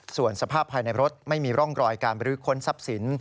ส่วนสภาพภายในรถไม่มีร่องรอยการบรื้อค้นทรัพย์สิน